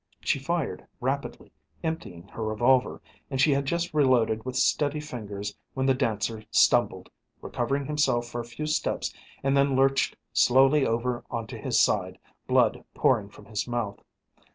She fired rapidly, emptying her revolver, and she had just reloaded with steady fingers when The Dancer stumbled, recovering himself for a few steps, and then lurched slowly over on to his side, blood pouring from his mouth.